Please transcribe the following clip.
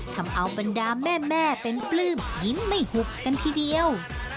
ทำเอาบรรดาแม่เป็นปลื้มยิ้มไม่หุบกันทีเดียว